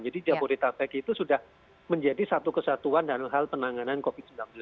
jadi ya bodetabek itu sudah menjadi satu kesatuan dalam hal penanganan covid sembilan belas